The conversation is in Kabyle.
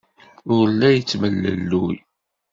Ur la yettemlelluy.